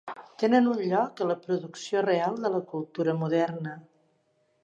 Tenen un lloc a la producció real de la cultura moderna.